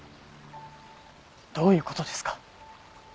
どういう事ですか？